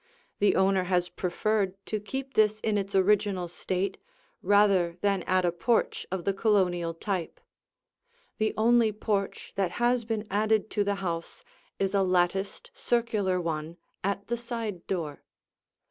The owner has preferred to keep this in its original state, rather than add a porch of the Colonial type. The only porch that has been added to the house is a latticed, circular one at the side door.